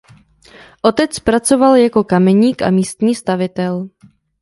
Otec pracoval jako kameník a místní stavitel.